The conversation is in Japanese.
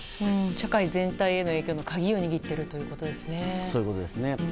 社会全体への影響の鍵を握っているということですね。